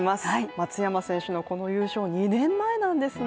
松山選手のこの優勝、２年前なんですね。